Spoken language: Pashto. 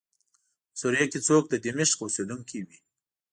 په سوریه کې څوک د دمشق اوسېدونکی وي.